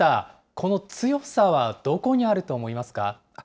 この強さはどこにあると思いますか。